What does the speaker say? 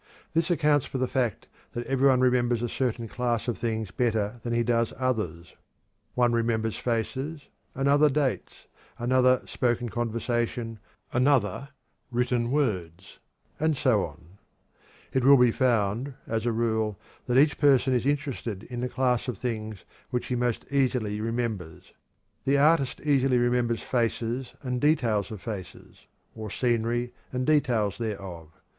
This accounts for the fact that every one remembers a certain class of things better than he does others. One remembers faces, another dates, another spoken conversation, another written words, and so on. It will be found, as a rule, that each person is interested in the class of things which he most easily remembers. The artist easily remembers faces and details of faces, or scenery and details thereof.